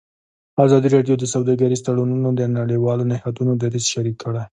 ازادي راډیو د سوداګریز تړونونه د نړیوالو نهادونو دریځ شریک کړی.